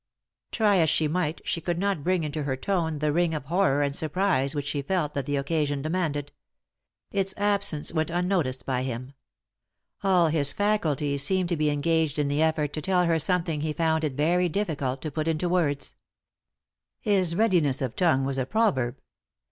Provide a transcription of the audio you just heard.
Try as she might she could not bring into her tone the ring of horror and surprise which she felt that the occasion demanded. Its absence went un noticed by him. All bis faculties seemed to be engaged in the effort to tell her something he found it very difficult to put into words. His readiness 01 tongue was a proverb.